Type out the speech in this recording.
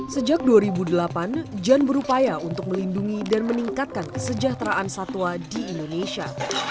sejak dua ribu delapan jan berupaya untuk melindungi dan meningkatkan kesejahteraan satwa di indonesia